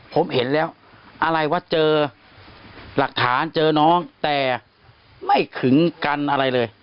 ผมเห็นแล้วอะไรวะเจอหลักฐานเจอน้องแต่ไม่ขึงกันอะไรเลย